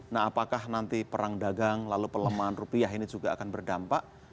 nah apakah nanti perang dagang lalu pelemahan rupiah ini juga akan berdampak